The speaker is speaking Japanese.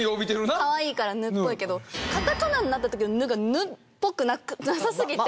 かわいいから「ぬ」っぽいけどカタカナになったときの「ヌ」が「ぬ」っぽくなさすぎて。